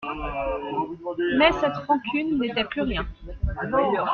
Mais cette rancune n'était plus rien.